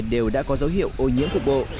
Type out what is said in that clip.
đều đã có dấu hiệu ô nhiễm cục bộ